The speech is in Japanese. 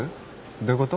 どういうこと？